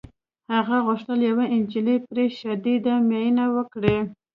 هغه غوښتل یوه نجلۍ پرې شدیده مینه وکړي